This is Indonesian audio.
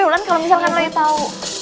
luan kalau misalkan lo ya tau